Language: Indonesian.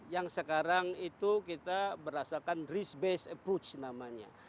yang sekarang itu kita berdasarkan risk based approach namanya